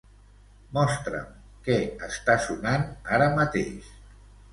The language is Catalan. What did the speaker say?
Mostra'm què està sonant ara mateix.